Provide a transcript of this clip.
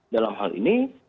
dalam hal ini